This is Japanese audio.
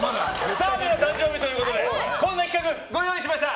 澤部の誕生日ということでこんな企画をご用意しました！